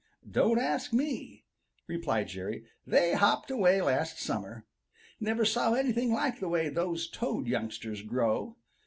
"Don't ask me," replied Jerry. "They hopped away last summer. Never saw anything like the way those Toad youngsters grow.